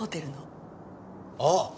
ああ！